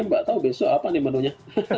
mbak tahu besok apa nih menunya